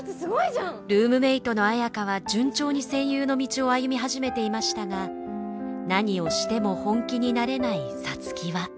ルームメートの綾花は順調に声優の道を歩み始めていましたが何をしても本気になれない皐月は。